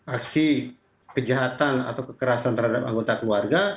aksi kejahatan atau kekerasan terhadap anggota keluarga